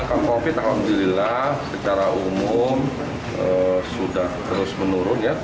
angka covid sembilan belas secara umum sudah terus menurun